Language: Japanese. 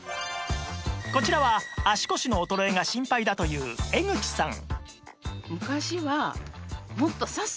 こちらは足腰の衰えが心配だという江口さん